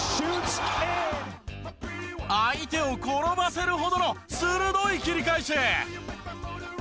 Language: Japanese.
相手を転ばせるほどの鋭い切り返し！